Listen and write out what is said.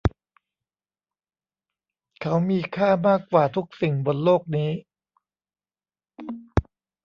เขามีค่ามากกว่าทุกสิ่งบนโลกนี้